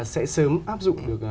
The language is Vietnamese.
sẽ sớm áp dụng được